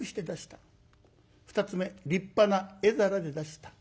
２つ目立派な絵皿で出した。